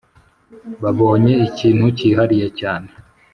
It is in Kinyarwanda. babonye ikintu cyihariye cyane